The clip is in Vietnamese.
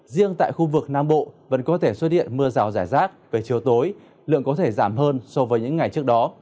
riêng tại khu vực nam bộ vẫn có thể xuất hiện mưa rào rải rác về chiều tối lượng có thể giảm hơn so với những ngày trước đó